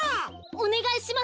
おねがいします！